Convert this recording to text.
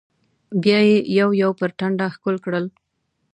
بيا يې يو يو پر ټنډه ښکل کړل.